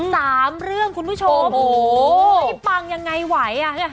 สามเรื่องคุณผู้ชมโอ้โหให้ปังยังไงไหวอ่ะ